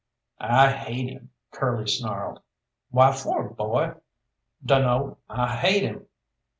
"I hate him!" Curly snarled. "Why for, boy?" "Dunno. I hate him!"